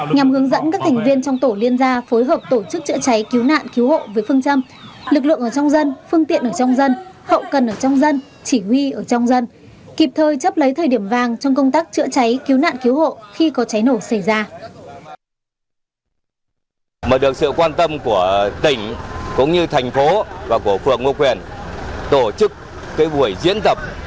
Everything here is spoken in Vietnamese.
nhằm hướng dẫn các thành viên trong tổ liên gia phối hợp tổ chức chữa cháy cứu nạn cứu hộ với phương châm lực lượng ở trong dân phương tiện ở trong dân hậu cần ở trong dân chỉ huy ở trong dân kịp thời chấp lấy thời điểm vàng trong công tác chữa cháy cứu nạn cứu hộ khi có cháy nổ xảy ra